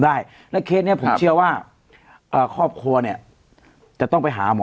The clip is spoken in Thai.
ได้แล้วเคสเนี้ยผมเชื่อว่าครอบครัวเนี่ยจะต้องไปหาหมอ